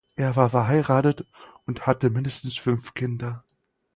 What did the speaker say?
Er war verheiratet und hatte mindestens fünf Kinder.